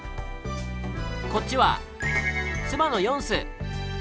こっちは妻のヨンス。